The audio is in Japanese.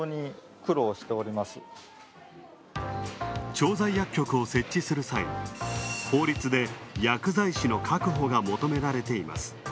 調剤薬局を設置する際、法律で薬剤師の確保が求められています。